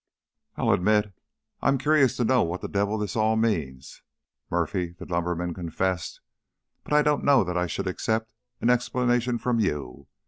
"I'll admit I'm curious to know what the devil it all means," Murphy, the lumberman, confessed; "but I don't know that I should accept an explanation from you.